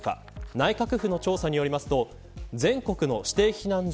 内閣府の調査によりますと全国の指定避難所